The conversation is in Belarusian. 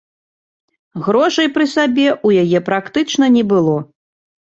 Грошай пры сабе ў яе практычна не было.